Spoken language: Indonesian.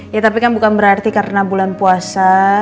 ya tapi kan bukan berarti karena bulan puasa